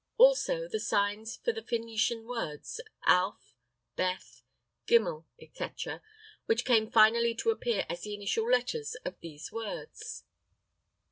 Also, the signs for the Phœnician words Alph, Beth, Gimel, etc., which came finally to appear as the initial letters of these words.